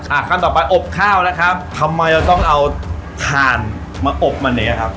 อ่าขั้นต่อไปอบข้าวนะครับทำไมเราต้องเอาถ่านมาอบมันเนี้ยครับ